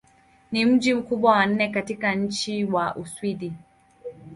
Ni mji mkubwa wa nne katika nchi wa Uswidi.